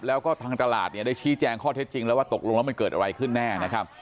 แล้วก็ทางตลาดเนี่ยได้ชี้แจงข้อเท็จจริงแล้วว่าตกลงแล้วมันเกิดอะไรขึ้นแน่นะครับ